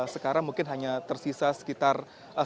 sekarang mungkin hanya tersisa sekitar